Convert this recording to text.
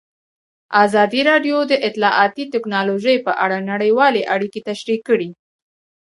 ازادي راډیو د اطلاعاتی تکنالوژي په اړه نړیوالې اړیکې تشریح کړي.